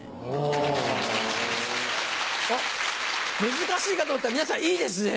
難しいかと思ったら皆さんいいですね！